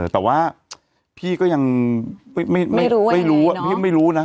แต่ว่าพี่ก็ยังไม่รู้นะ